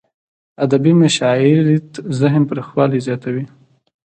ادبي مشاعريد ذهن پراخوالی زیاتوي.